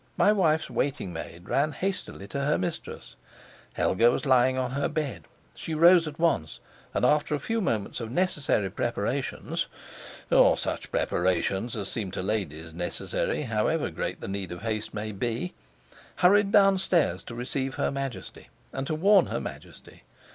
My wife's waiting maid ran hastily to her mistress; Helga was lying on her bed; she rose at once, and after a few moments of necessary preparations (or such preparations as seem to ladies necessary, however great the need of haste may be) hurried downstairs to receive her Majesty and to warn her Majesty.